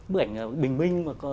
bức ảnh bình minh